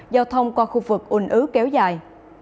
giao thông qua khu vực ùn ứ kéo dài